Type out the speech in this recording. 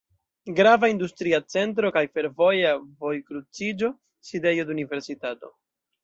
Grava industria centro kaj fervoja vojkruciĝo, sidejo de universitato.